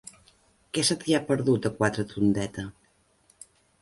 Què se t'hi ha perdut, a Quatretondeta?